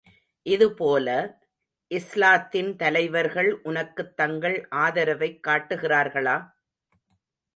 இதுபோல, இஸ்லாத்தின் தலைவர்கள் உனக்குத் தங்கள் ஆதரவைக் காட்டுகிறார்களா?